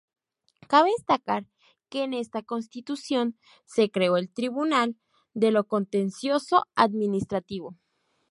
Cabe destacar que en esta Constitución se creó el Tribunal de lo Contencioso Administrativo.